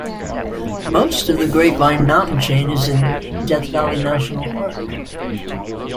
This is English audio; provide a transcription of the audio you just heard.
Most of the Grapevine Mountain chain is in Death Valley National Park.